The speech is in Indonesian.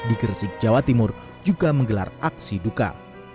di gresik jawa timur juga menggelar aksi duka